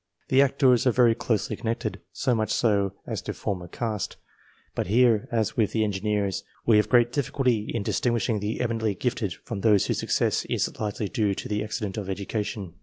The Actors are very closely connected so much so as to form a caste ; but here, as with the Engineers, we have great difficulty in distinguishing the eminently gifted from those whose success is largely due to the accident of edu cation.